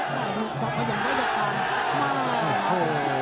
ไปลูกซ้าย